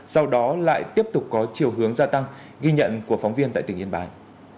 sau đó lại tiếp tục có chiều hướng gia tăng ghi nhận của phóng viên tại tỉnh yên bái